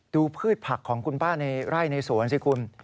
พืชผักของคุณป้าในไร่ในสวนสิคุณ